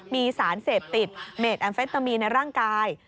มีสารเสพติดเมดแอมเฟตามีนในร่างกาย